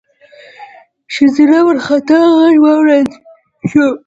ښځينه وارخطا غږ واورېدل شو: